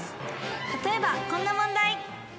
例えばこんな問題。